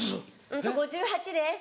うんと５８です。